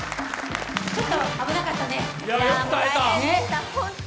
ちょっと危なかったね。